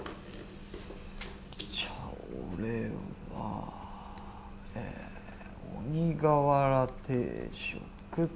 じゃあ俺はえ鬼瓦定食と。